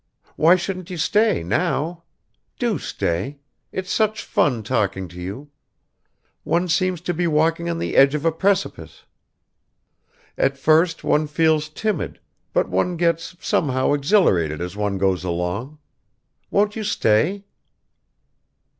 Why shouldn't you stay now? Do stay ... it's such fun talking to you ... one seems to be walking on the edge of a precipice. At first one feels timid, but one gets somehow exhilarated as one goes along. Won't you stay?"